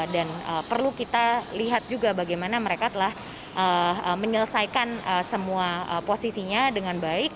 dan perlu kita lihat juga bagaimana mereka telah menyelesaikan semua posisinya dengan baik